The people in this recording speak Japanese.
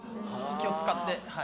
気を使って。